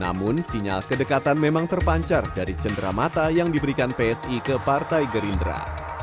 namun sinyal kedekatan memang terpancar dari cendera mata yang diberikan psi ke partai gerindra